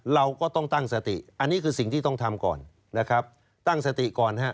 เราก็ต้องตั้งสติอันนี้คือสิ่งที่ต้องทำก่อนนะครับตั้งสติก่อนฮะ